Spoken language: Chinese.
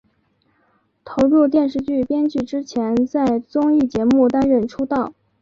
投入电视剧编剧之前在综艺节目担任出道。